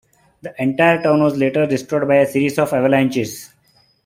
The entire town was later destroyed by a series of avalanches.